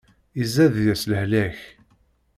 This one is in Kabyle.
Izad deg-s lehlak.